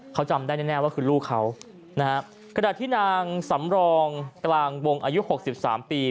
เขาจำได้แน่ว่าคือลูกเขาขณะที่นางสำรองกลางวงอายุ๖๓ปี